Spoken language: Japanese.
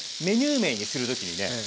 メニュー名にする時にね